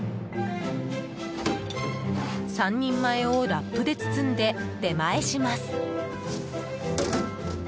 ３人前をラップで包んで出前します。